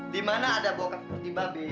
di mana ada bokap seperti babi